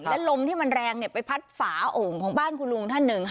และลมที่มันแรงไปพัดฝาโอ่งของบ้านคุณลุงท่านหนึ่ง